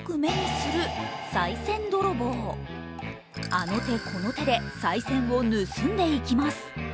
あの手この手でさい銭を盗んでいきます。